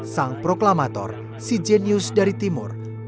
sang proklamator si jenius dari timur